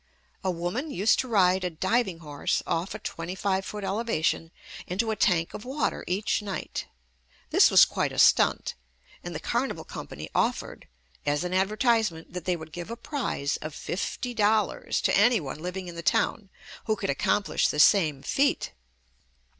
A woman used to ride a diving horse off a twenty five foot eleva tion into a tank of water each night. This was quite a stunt, and the carnival company offered as an advertisement that they would give a prize of fifty dollars to any one living in the town who could accomplish the same feat.